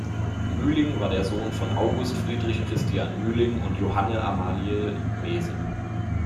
Mühling war der Sohn von "August Friedrich Christian Mühling" und "Johanne Amalie Meese".